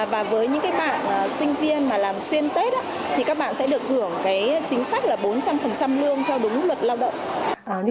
và với những bạn sinh viên mà làm xuyên tết thì các bạn sẽ được hưởng chính sách là bốn trăm linh lương theo đúng luật lao động